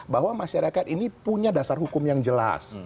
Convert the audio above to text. bahwa masyarakat ini punya dasar hukum yang jelas